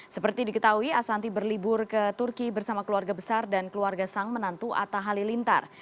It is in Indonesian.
seperti diketahui ashanti berlibur ke turki bersama keluarga besar dan keluarga sang menantu atta halilintar